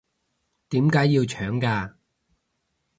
點解要搶嘅？